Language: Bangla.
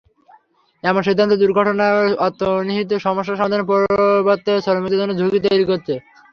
এমন সিদ্ধান্ত দুর্ঘটনার অন্তর্নিহিত সমস্যা সমাধানের পরিবর্তে শ্রমিকদের জন্য ঝুঁকি তৈরি করেছে।